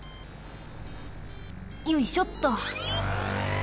よいしょっと！